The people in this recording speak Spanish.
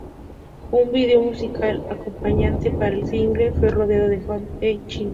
Un video musical acompañante para el single fue rodado en Hong Kong, China.